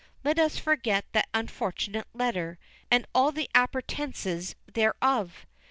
Let us forget that unfortunate letter, and all the appurtenances thereof."